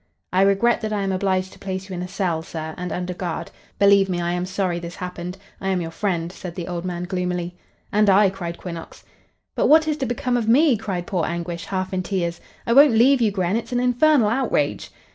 "I regret that I am obliged to place you in a cell, sir, and under guard. Believe me, I am sorry this happened. I am your friend," said the old man, gloomily. "And I," cried Quinnox. "But what is to become of me?" cried poor Anguish, half in tears. "I won't leave you, Gren. It's an infernal outrage!"